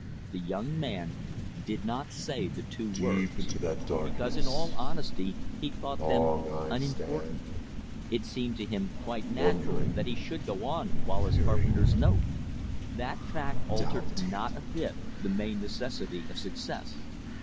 The young man did not say the two words, because in all honesty he thought them unimportant. It seemed to him quite natural that he should go on Wallace Carpenter's note. That fact altered not a bit the main necessity of success.